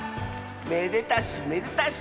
めでたしめでたし。